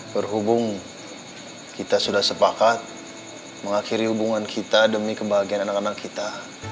berhubung kita sudah sepakat mengakhiri hubungan kita demi kebahagiaan anak anak kita